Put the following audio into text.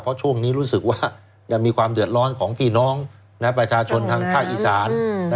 เพราะช่วงนี้รู้สึกว่ายังมีความเดือดร้อนของพี่น้องประชาชนทางภาคอีสาน